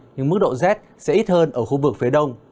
nhưng mức độ rét sẽ ít hơn ở khu vực phía đông